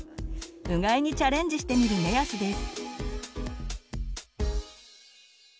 うがいにチャレンジしてみる目安です。